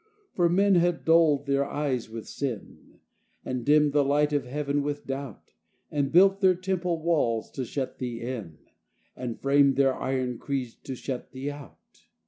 For men have dulled their eyes with sin, And dimmed the light of heaven with doubt, And built their temple walls to shut thee in, And framed their iron creeds to shut thee out.